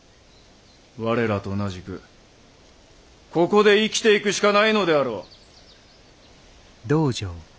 我らと同じくここで生きていくしかないのであろう！